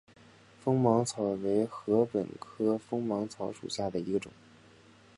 锋芒草为禾本科锋芒草属下的一个种。